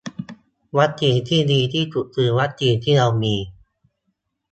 วัคซีนที่ดีที่สุด คือวัคซีนที่เรามี